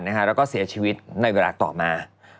แล้วก็เสียชีวิตในเวลาต่อมา